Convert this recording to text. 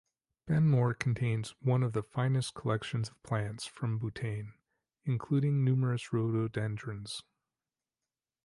Benmore contains one of the finest collections of plants from Bhutan including numerous rhododendrons.